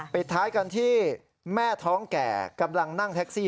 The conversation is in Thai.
ปิดท้ายกันที่แม่ท้องแก่กำลังนั่งแท็กซี่